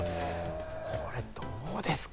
これ、どうですか？